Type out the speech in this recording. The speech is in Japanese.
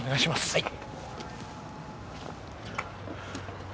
はい。